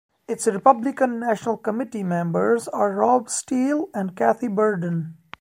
Its Republican National Committee members are Rob Steele and Kathy Berden.